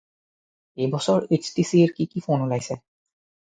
এই বছৰ এইচটিচি-ৰ কি কি ফ’ন ওলাইছে?